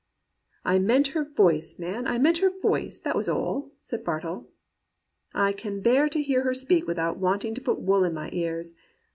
" *I meant her voice, man — I meant her voice, that was all,' said Bartle. *I can bear to hear her speak without wanting to put wool in my ears.